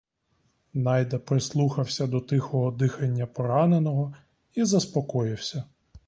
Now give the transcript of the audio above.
Найда прислухався до тихого дихання пораненого і заспокоївся.